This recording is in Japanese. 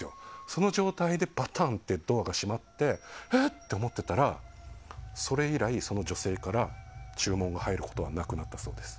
その状態でばたんってドアが閉まってえ？って思ってたらそれ以来、その女性から注文が入ることはなくなったそうです。